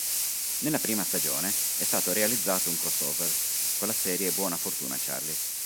Nella prima stagione è stato realizzato un crossover con la serie Buona fortuna Charlie.